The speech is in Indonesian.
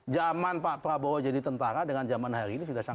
zaman pak prabowo jadi tentara dengan zaman hari ini sudah sangat